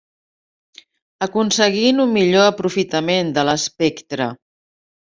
Aconseguint un millor aprofitament de l'espectre.